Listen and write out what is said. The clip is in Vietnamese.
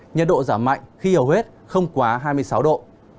nhiệt độ giảm mạnh khi hầu hết không quá hai mươi sáu độ